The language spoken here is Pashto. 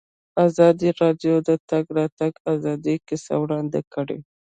ازادي راډیو د د تګ راتګ ازادي کیسې وړاندې کړي.